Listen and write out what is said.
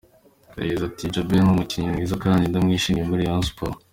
Yagize ati “Djabel ni umukinnyi mwiza kandi ndamwishimiye muri Rayon Sports .